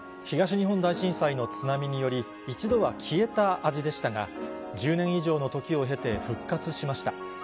東日本大震災の津波により、一度は消えた味でしたが、１０年以上の時を経て復活しました。